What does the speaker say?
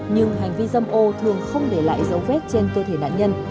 nhưng hành vi dâm ô thường không để lại dấu vết trên cơ thể nạn nhân